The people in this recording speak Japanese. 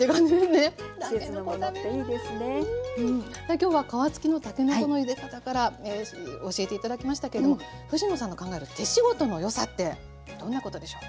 今日は皮つきのたけのこのゆで方から教えて頂きましたけども藤野さんが考える手仕事のよさってどんなことでしょう。